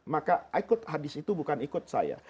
maka ikut hadis itu bukan ikut saya